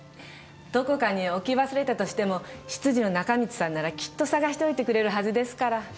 どこかに置き忘れたとしても執事の中道さんならきっと捜しておいてくれるはずですから。